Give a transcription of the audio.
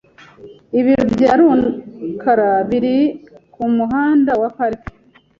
Ibiro bya rukara biri kumuhanda wa Park .